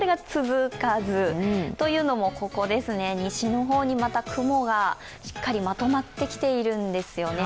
というのも、西の方にまた雲がしっかりまとまってきているんですよね。